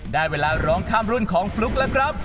ได้เวลาร้องข้ามรุ่นของฟลุ๊กแล้วครับ